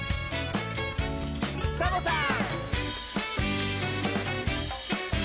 サボさん！